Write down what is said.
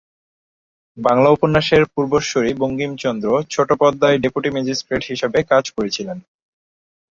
বাংলা উপন্যাসের পূর্বসূরী Bankimchandra Chattopadhyay deputy magistrate হিসাবে কাজ করেছিলেন।